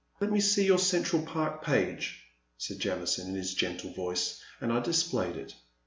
*'Let me see your Central Park page, said Jamison in his gentle voice, and I displayed it.